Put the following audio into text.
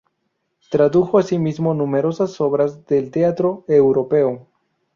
Tradujo asimismo numerosas obras del teatro europeo.